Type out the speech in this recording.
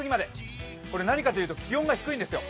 これ何かというと気温が低いんですよ。